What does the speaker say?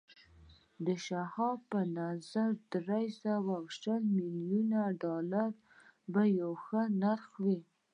د شواب په نظر دري سوه شل ميليونه ډالر به يو ښه نرخ وي.